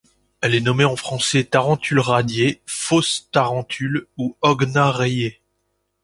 Elle est nommée en français Tarentule radiée, Fausse tarentule ou Hogna rayée.